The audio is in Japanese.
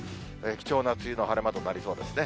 貴重な梅雨の晴れ間となりそうですね。